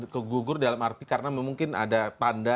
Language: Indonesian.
kegugur dalam arti karena mungkin ada tanda